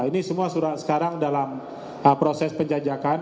ini semua sekarang dalam proses penjajakan